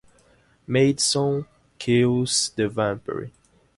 Madison kills the vampire.